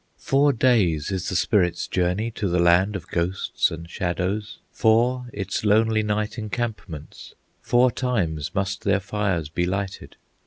"Four days is the spirit's journey To the land of ghosts and shadows, Four its lonely night encampments; Four times must their fires be lighted.